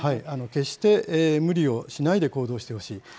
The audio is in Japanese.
決して、無理をしないで行動してほしい。